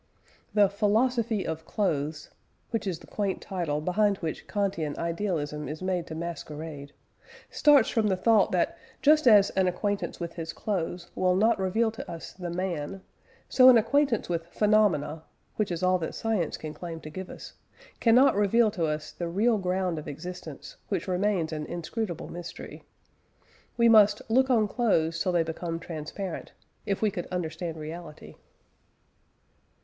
The "philosophy of clothes" which is the quaint title behind which Kantian idealism is made to masquerade starts from the thought that just as an acquaintance with his clothes will not reveal to us the man, so an acquaintance with phenomena (which is all that science can claim to give us) cannot reveal to us the real ground of existence, which remains an inscrutable mystery. We must "look on clothes till they become transparent," if we could understand reality.